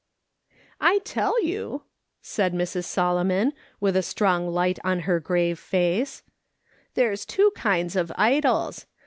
" 1 tell you," said i\Irs. Solomon, with a strong light on her grave face, '" there's two kinds of idols.